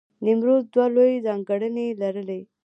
نیمروز دوه لوی ځانګړنې لرلې.